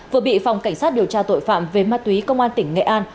vừa bị phòng cảnh sát điều tra tội phạm về ma túy công an tỉnh nghệ an